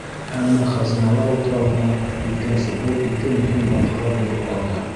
Әммә Хазиналар утрауына еткәнсе бер-ике мөһим ваҡиға булып алды.